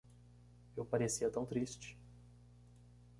Eu parecia tão triste.